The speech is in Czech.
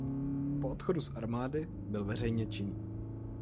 Po odchodu z armády byl veřejně činný.